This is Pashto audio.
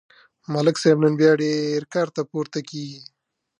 ملک صاحب نن بیا ډېر کارته پورته کېږي.